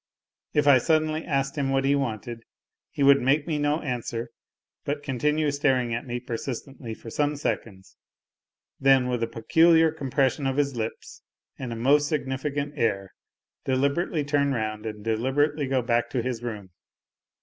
If I suddenly asked him what he wanted, he would make me no answer, but continue staring at me persistently for some seconds, then, with a peculiar compression of his lips and a most significant air, deliberately turn round and deliber ately go back to his room.